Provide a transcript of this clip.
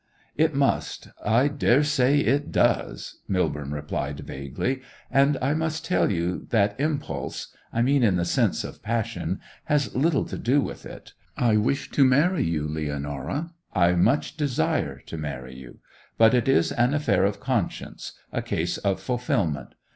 'It must—I daresay it does,' Millborne replied vaguely; 'and I must tell you that impulse—I mean in the sense of passion—has little to do with it. I wish to marry you, Leonora; I much desire to marry you. But it is an affair of conscience, a case of fulfilment.